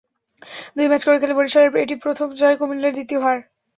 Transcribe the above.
দুই ম্যাচ করে খেলে বরিশালের এটি প্রথম জয়, কুমিল্লার দ্বিতীয় হার।